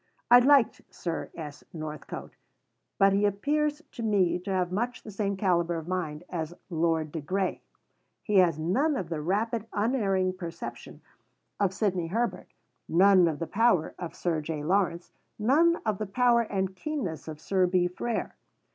I liked Sir S. Northcote; but he appears to me to have much the same calibre of mind as Lord de Grey. He has none of the rapid, unerring perception of Sidney Herbert; none of the power of Sir J. Lawrence; none of the power and keenness of Sir B. Frere.